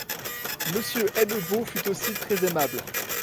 Monsieur Hennebeau fut aussi très aimable.